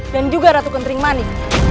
dan juga ratu kendering mani